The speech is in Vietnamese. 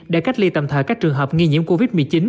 để cách ly tầm thời các trường hợp nghi nhiễm covid một mươi chín